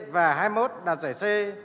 và hai mươi một đạt giải c